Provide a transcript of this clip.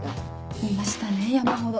いましたね山ほど。